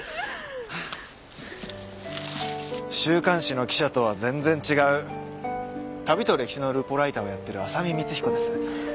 週刊誌の記者とは全然違う『旅と歴史』のルポライターをやってる浅見光彦です。